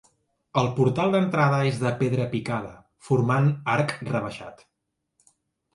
El portal d'entrada és de pedra picada, formant arc rebaixat.